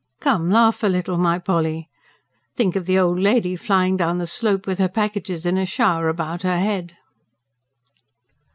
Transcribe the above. Come, laugh a little, my Polly. Think of the old lady flying down the slope, with her packages in a shower about her head!"